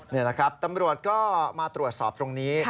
นี่แหละครับตำรวจก็มาตรวจสอบตรงนี้